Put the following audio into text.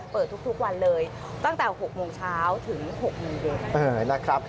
เปิดทุกวันเลยตั้งแต่๖โมงเช้าถึง๖นาที